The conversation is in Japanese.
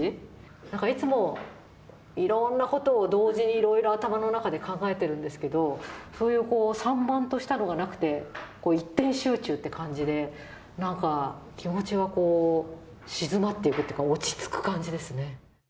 なんか、いつもいろんなことを同時にいろいろ頭の中で考えているんですけれども、そういう散漫としたのがなくて、一点集中って感じで、なんか、気持ちがこう静まっていくっていうか、落ち着く感じですね。